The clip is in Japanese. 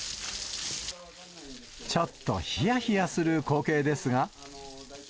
ちょっとひやひやする光景ですが。